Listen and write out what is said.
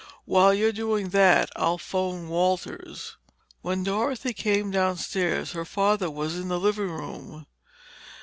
"While you're doing that, I'll phone Walters." When Dorothy came downstairs her father was in the living room.